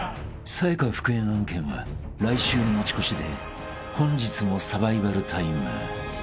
［さや香復縁案件は来週に持ち越しで本日もサバイバルタイム］